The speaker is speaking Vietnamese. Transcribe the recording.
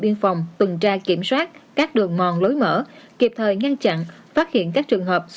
biên phòng tuần tra kiểm soát các đường mòn lối mở kịp thời ngăn chặn phát hiện các trường hợp